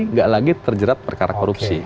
nggak lagi terjerat perkara korupsi